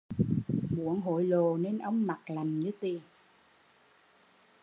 Muốn hối lộ nên ông mặt lạnh như tiền